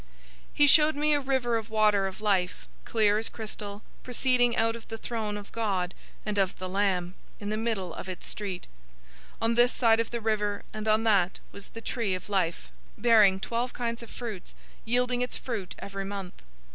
022:001 He showed me a{TR adds "pure"} river of water of life, clear as crystal, proceeding out of the throne of God and of the Lamb, 022:002 in the middle of its street. On this side of the river and on that was the tree of life, bearing twelve kinds of fruits, yielding its fruit every month.